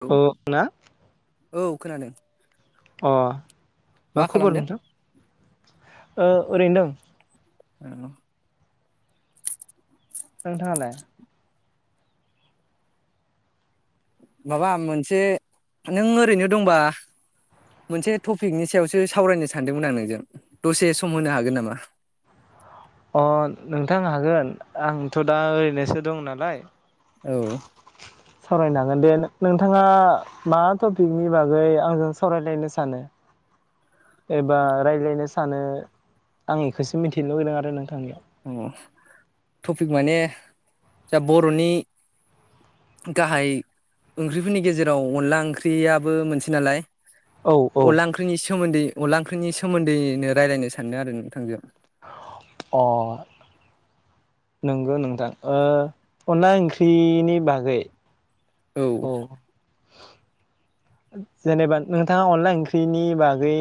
औ औ खोनादों। अ। मा खबर खालामदों? नोंथां? ओ ओरैनो दं। [unintelligible] नोंथाङालाय? माबा आं मोनसे नों ओरैनो दंबा मोनसे टपिकनि सायावसो सावरायनो सानदोंमोन आं नोंजों दसे सम होनो हागोन नामा? अ नोंथां हागोन आंथ' दा ओरैनोसो दं नालाय। औ। सावरायनो हागोन दे नोंथाङा मा टपिकनि बागै आंजों सावरायलायनो सानो? एबा रायज्लायनो सानो आं बेखौसो मिथिनो लुुबैदों आरो नोंथांनियाव। औ टपिक माने जा बर'नि गाहाय ओंख्रिफोरनि गेजेराव अनला ओंख्रियाबो मोनसे नालाय। औ औ। अनला ओंख्रिनि सोमोन्दै अनला ओंख्रिनि सोमोन्दैनो रायलायनो सानदों आरो नोंथांजों। अ नंगौ नोंथां अनला ओ ओंख्रिनि बागै। औ। जेनेबा नोंथाङा अनला ओंख्रिनि बागै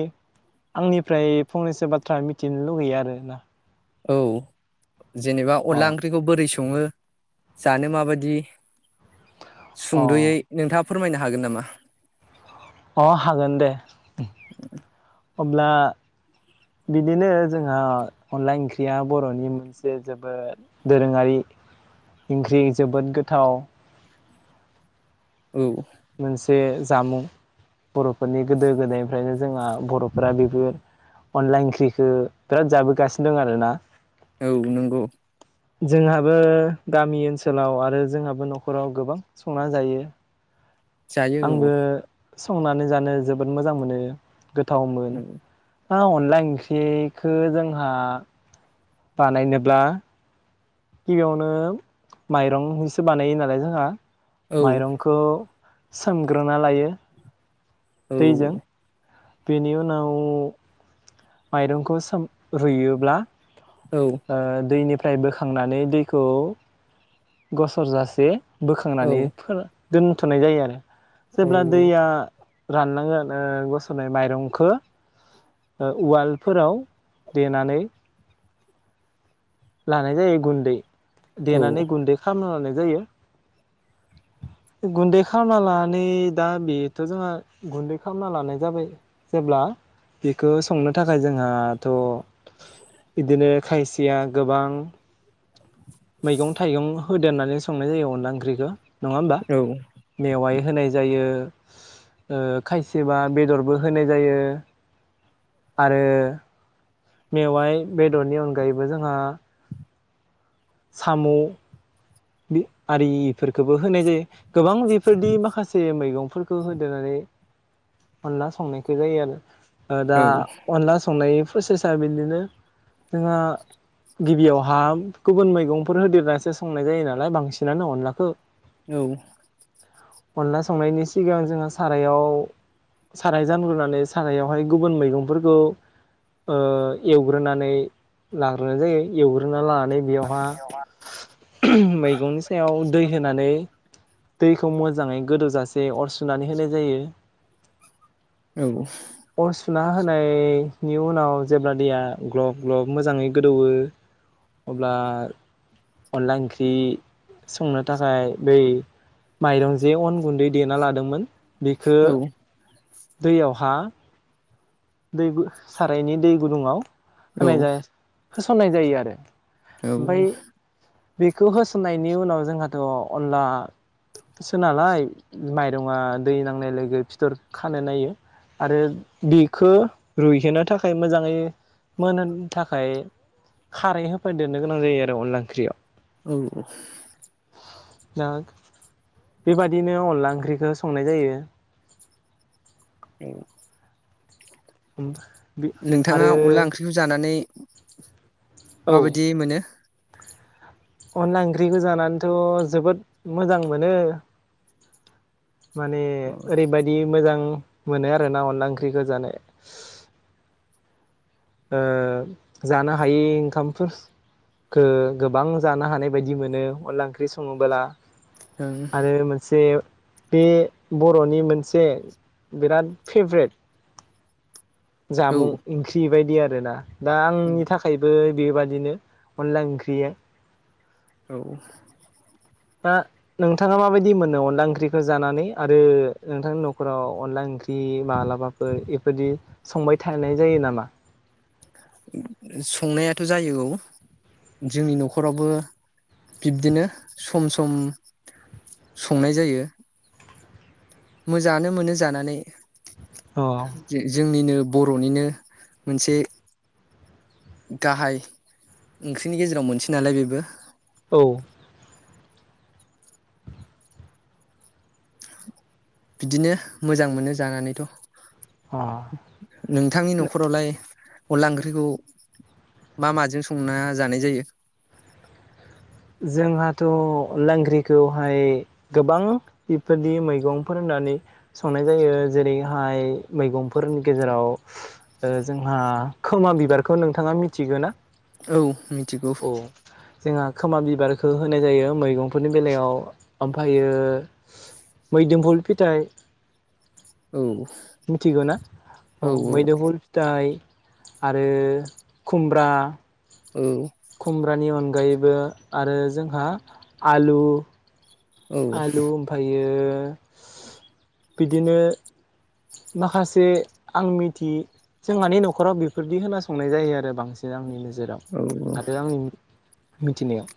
आंनिफ्राय फंनैसो बाथ्रा मिथिनो लुगैयो आरोना। औ। जेनेबा अ। अनला ओंख्रिखौ बोरै [unintelligible] सङो जानो माबायदि अ। सुंद'यै नोंथाङा फोरमायनो हागोन नामा? अ हागोन दे अब्ला बिदिनो जोंहा अनला ओंख्रिया बर'नि मोनसे जोबोद दोरोङारि ओंख्रि जोबोद गोथाव। औ। मोनसे जामुं बर'फोरनि गोदो गोदायनिफ्रायनो जोंहा बर'फोरा बेफोर अनला ओंख्रिखौ बिराद जाबोगासिनो दं आरोना। औ नंगौ। जोंहाबो गामि ओनसोलाव आरो जोंहाबो न'खराव गोबां संना जायो। जायो औ। आंबो संनानै जानो जोबोद मोजां मोनो। गोथाव [unintelligible] औ [unintelligible] अनला ओंख्रिखौ जोंहा बानायनोब्ला गिबियावनो माइरं जोंसो बानायो नालाय जोंहा। माइरंखौ सोमग्रोना लायो। दैजों। बेनि उनाव माइरंखौ सोम रुयोब्ला ओ दैनिफ्राय [unintelligible] बोखांनानै दैखौ गसर जासे बोखांनानै फोरा दोनथ'नाय जायो आरो। जेब्ला दैया रानलांगोन ओ गस'रनाय माइरंखौ ओ उवालफोराव देनानै लानाय जायो गुन्दै देनानै गुन्दै खालामना लानाय जायो गुन्दै खालामना लानानै दा बेथ' जोंहा गुन्दै खालामना लानाय जाबाय जेब्ला बेखौ संनो थाखाय जोंहाथ' बिदिनो खायसेया गोबां मैगं थाइगं होद दोननानै संनाय जायो अनला ओंख्रिखो। नङा होमबा? मेवाय होनाय जायो ओ खायसेबा बेदरबो होनाय जायो आरो मेवाइ बेदरनि अनगायैबो जोंहा साम' बे आरिफोरखौबो होनाय जायो। गोबां बेफोरदि माखासे मैगं फोरखो होदेरनानै अनला संनायखो जायो आरो। ओ दा अनला संनाय प्रसेसा बिदिनो जोंहा गिबियावहा गुबुन मैगंफोर होदेरनासो संनाय जायोना नालाय बांसिनानो अनलाखो औ अनला संनायनि सिगां जोङो सारायाव साराय जानग्रोनानै सारायावहाय गुबुन मैगंफोरखौ ओ एवग्रोनानै लाग्रोनाय जायो एवग्रोनानै ला नानै बियावहा मै गंनि सायाव दै होनानै दैखौ मोजाङै गोदौजासे अर सुनानै होनाय जायो। औ अर सुना होनायनि उनाव जेब्ला दैया ग्लब ग्लब मोजाङै गोदौवो अब्ला अनला ओंख्रि संनो थाखाय बै माइरं जे अन गुन्दै देना लादोंमोन बिखो दैयावहा दै गु सारायनि दै गुदुङाव होनाय जा होसननाय जायो आरो। ओमफ्राय औ बेखौ होसननायनि उनाव जोंहाथ अनलासो नालाय माइरङा दै नांनाय लोगो फिथर खानो नायो आरो बि खो रुइहोनो थाखाय मोजाङै मोनहोनो थाखाय खारै होफैदेरनो गोनां जायो आरो अनला ओंख्रियाव। औ अ। दा बेबादिनो अनला ओंख्रिखौ संनाय जायो। उम। नोंथाङा आरो अनला ओंख्रिखौ जानानै औ माबायदि मोनो? अनला ओंख्रिखौ जानानैथ' जोबोद मोजां मोनो। माने औ ओरैबायदि मोजां मोनो आरो ना अनला ओंख्रिखो जानो ओ जानो हायि ओंखामफोरखो गोबां जानो हानाय बायदि मोनो अनला ओंख्रि सङोबोला। आरो मोनसे बे बर'नि मोनसे बिराद फेभ्रेट जामुं ओंख्रि बेबायदि आरोना। दा आंनि थाखायबो बेबादिनो अनला ओंख्रिया औ। दा नोंथाङा माबायदि मोनो अनला ओंख्रिखौ जानानै आरो नोंथांनि नखराव अनला ओंख्रि मालाबाफोर एफोरदि संबाय थानाय जायो नामा? संनायाथ' जायो औ जोंनि न'खरावबो बिब्दिनो सम सम संनाय जायो। मोजाङानो मोनो जानानै। अ जोंनिनो बर'निनो मोनसे गाहाय ओंख्रिनि गेजेराव मोनसेनालाय बेबो। औ। बिदिनो मोजां मोनो जानानैथ' अ नोंथांनि न'खरावलाय अनला ओंख्रिखौ मा माजों संना जानाय जायो? जोंहाथ' अनला ओंख्रिखौहाय गोबां बेफोरबायदि मैगंफोर होननानै संनाय जायो। जेरैहाय मैगंफोरनि गेजेराव जोंहा खोमा बिबारखौ नोंथाङा मिथिगो ना? औ मिथिगौ। औ जोंहा खोमा बिबारखौ होनाय जायो मैगंफोरनि बेलायाव ओमफ्रायो मोदोमफुल फिथाइ औ। मिथिगौ ना औ मोदुफुल फिथाइ आरो खुमब्रा औ। ब्रानि अनगायैबो आरो जोंहा आलु औ आलु ओमफ्रायो बिदिनो माखासे आं मिथि जोंहानि न'खराव बेफोरदि होना संनाय जायो आरो बांसिन आंनि नोजो राव आरो आंनि मिथिनायाव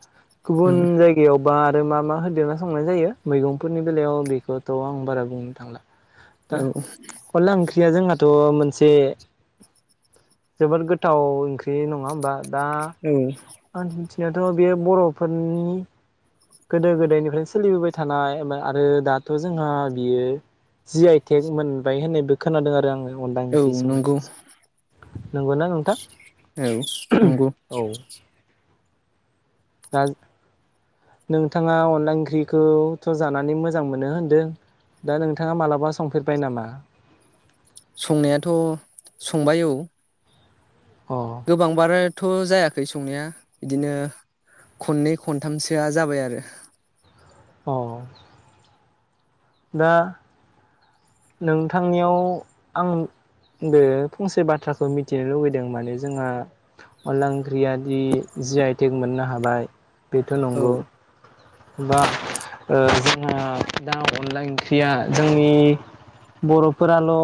गुबुन उम जायगायाव बा आरो मा मा होदेरना संनाय जायो मैगंफोरनि बेलायाव बेखौथ' आं बारा बुंनो थांला औ लांखरिया जोंहा थ' मोनसे जोबोद गोथाव ओंख्रि नङा होमबा दा औ आं मिथिनायावथ' बे बर'फोरनि गोदो गोदायनिफ्रायनो सोलिबोबाय थानाय आरो दाथ' जोंहा बियो जि आइ टेग मोनबाय होननायबो खोनादों आरो आङो अनला औ ओंख्रि नंगौ संनायखौ नंगौना नोंथां? औ नंगौ औ दा नोंथाङा अनला ओंख्रिखौथ' जानानै मोजां मोनो होनदों दा नोंथाङा मालाबा संफेरबाय नामा? संनायाथ' संबाय औ अ गोबांआनो थ' जायाखै संनाया इदिनो खननै खनथामसोआ जाबाय आरो अ दा नोंथांनियाव आं बे फंसे बाथ्राखौ मिथिनो लुुबैदों माने जोंहा अनला ओंख्रिया दि जि आइ टेक मोननो हाबाय बेथ' औ नंगौ बा ओ जोंहा दा अनला ओंख्रिया जोंनि बर'फोराल'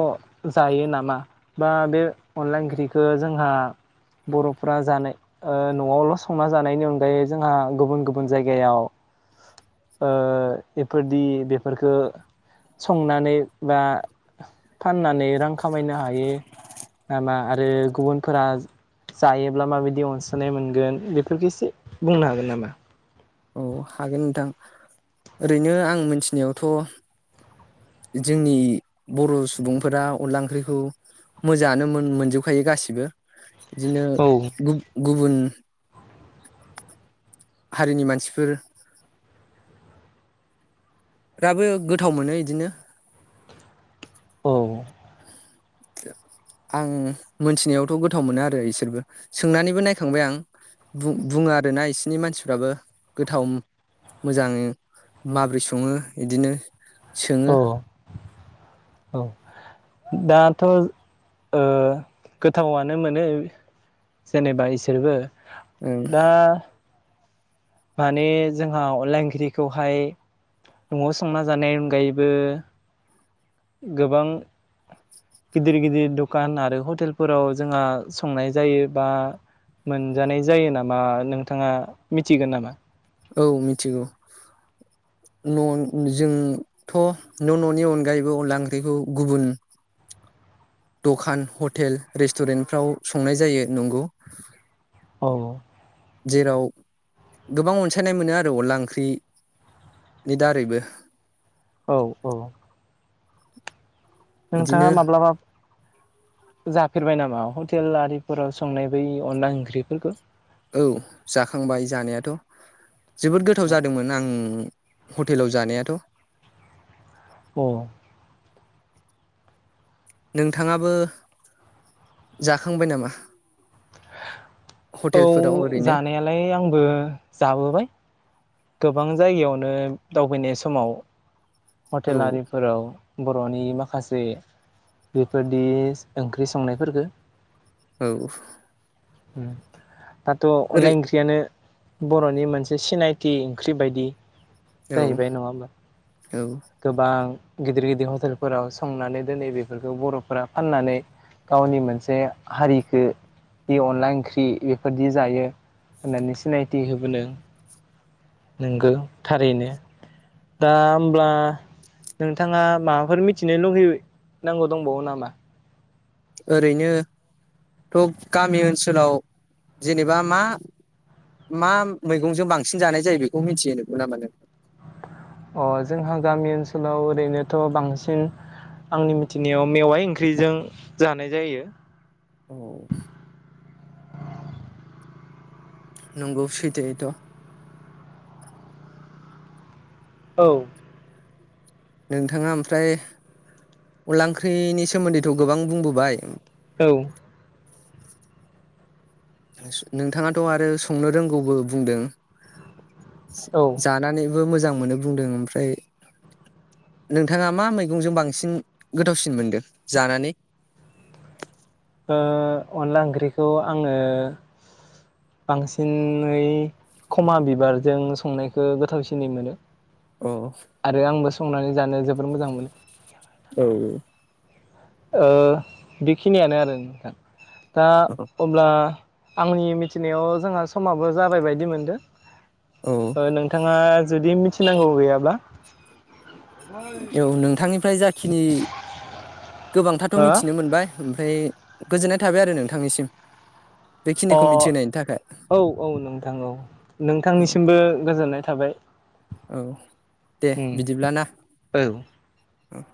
जायो नामा बा बे अनला ओंख्रिखौ जोंहा बर'फोरा जानाय ओ न'आवल' संना जानायनि अनगायै जोंहा गुबुन गुबुन जायगायाव ओ इफोरदि बेफोरखौ संनानै बा फाननानै रां खामायनो हायो नामा? आरो गुबुनफोरा जायोब्ला माबायदि अनसायनाय मोनगोन बेफोरफोरखौसो बुंनो हागोन नामा? औ हागोन नोंथां ओरैनो आं मिथिनायावथ' जोंनि बर' सुबुंफोरा अनला ओंख्रिखौ मोजाङानो मोन-मोनजोबखायो गासिबो बिदिनो औ गु-गुबुन हारिनि मानसिफोर फ्राबो गोथाव मोनो इदिनो औ आं मोनथिनायावथ' गोथाव मोनो आरो इसोरबो सोंनानैबो नायखांबाय आं बु-बुङो आरोना बिसोरनि मानसिफ्राबो गोथाव मोजाङै माबोरै सङो बिदिनो सोङो। औ औ दाथ' ओ गोथावआनो मोनो जेनेबा इसोरबो दा माने जोंहा अनला ओंख्रिखौहाय न'आव संना जानायनि अनगायैबो गोबां गिदिर गिदिर दखान आरो हटेलफोराव जोंहा संनाय जायो बा मोनजानाय जायो नामा नोंथाङा मिथिगौ नामा? औ मिथिगौ न' जोंथ' न' न'नि अनगायैबो अनला ओंख्रिखौ गुबुन दखान हटेल रेस्टुरेन्टफ्राव संनाय जायो नंगौ औ औ जेराव गोबां अनसायनाय मोनो आरो अनला ओंख्रि नि दारैबो औ औ नोंथाङा बिदिनो माब्लाबा जाफेरबाय नामा हटेल आरिफोराव संनाय बै अनला ओंख्रिफोरखौ? औ जाखांबाय जानायाथ'। जोबोद गोथाव जादोंमोन आं हटेलाव जानायाथ'। अ। नोंथाङाबो जाखांबाय नामा? औ हटेलफोराव ओरैनो जानायालाय आंबो जाबोबाय। गोबां जायगायावनो दावबायनाय समाव औ हटेल आरिफोराव बर'नि माखासे बेफोरदि ओंख्रि संनायफोरफोरखौ। औ। हुम। दाथ' अनला ओरै ओंख्रियानो बर'नि मोनसे सिनायथि ओंख्रि बायदि औ जाहैबाय नंङा होमबा औ गोबां गिदिर गिदिर हटेलफोराव संनानै दोनै बेफोरखौ बर'फोरा फाननानै गावनि मोनसे हारिखो जि अनला ओंख्रि बेफोरदि जायो होननानै सिनायथि होबोनो नोंगौ थारैनो दा होनब्ला नोंथाङा माबाफोर मिथिनो लुबैनांगौ दंबावो नामा ओरैनोथ' गामि ओनसोलाव जेनेबा मा मा मैगंजों बांसिन जानाय जायो बेखौ मिथिहोनो नामा नों? अ जोंहा गामि ओनसोलाव ओरैनोथ' बांसिन आंनि मिथिनायाव मेवाय ओंख्रिजों जानाय जायो। औ नंगौ‌ सैथो एथ' औ नोंथांङा ओमफ्राय अनला ओंख्रिनि सोमोन्दैथ' गोबां बुंबोबाय औ नोंथाङाथ' आरो संनो रोंगौबो बुंदों औ ओ जानानै मोजां मोनो बुंदों ओमफ्राय नोंथाङा मा मैगंजों बांसिन गोथावसिन मोनदों जानानै ओ अनला ओंख्रिखौ आङो बांसिनै खमा बिबारजों संनायखौ गोथावसिनै मोनो अ आरो आंबो संनानै जानो जोबोर मोजां मोनो औ ओ बेखिनियानो आरो नोंथां दा अब्ला आंनि मिथिनायाव जोंहा समाबो जाबाय बायदि औ मोनदों नोंथांङा जुदि मिथि नांगौ गैयाब्ला औ नोंथांनिफ्राय जाखिनि गोबांथाथ हो अ गोजोननाय थाबाय आरो नोंथांनिसिम अ बेखिनिखौ मिथिहोनायनि थाखाय औ औ नोंथां औ औ नोंथांनिसिमबो गोजोननाय थाबाय औ दे उम बिदिब्ला ना औ औ